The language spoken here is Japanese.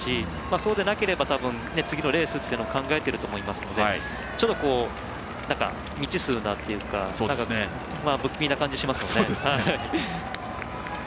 そうでなければ、多分次のレースを考えてると思いますしちょっと未知数なというか不気味な感じがしますよね。